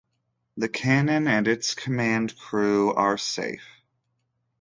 The cannon and its command crew are safe.